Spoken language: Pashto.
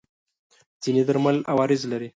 ځینې درمل عوارض لري.